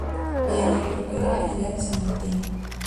Mediante el Ferrocarril General San Martín.